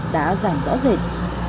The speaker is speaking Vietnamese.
đã giải rõ rệt